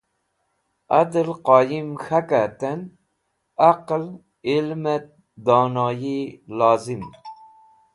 Adal Qoyim K̃hake haten Aql, Ilm et Donoyi Lozim